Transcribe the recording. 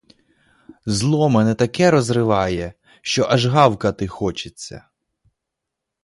Зло мене таке розбирає, що аж гавкати хочеться!